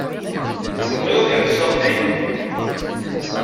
Tebɣid ad ḥesbeɣ ti?